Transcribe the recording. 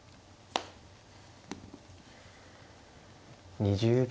２０秒。